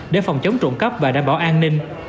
để phòng chống trộn cấp và đảm bảo an ninh